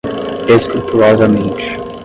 escrupulosamente